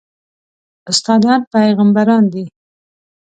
استادان پېغمبران دي